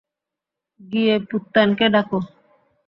গিয়ে পুত্তানকে ডাকো।